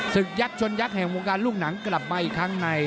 ยักษ์ชนยักษ์แห่งวงการลูกหนังกลับมาอีกครั้งใน